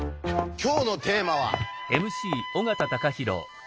今日のテーマは。